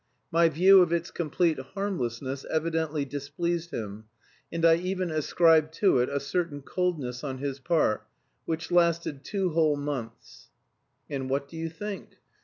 My view of its complete harmlessness evidently displeased him, and I even ascribe to it a certain coldness on his part, which lasted two whole months. And what do you think?